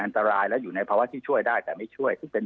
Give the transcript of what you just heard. อันตรายแล้วอยู่ในภาวะที่ช่วยได้แต่ไม่ช่วยซึ่งเป็น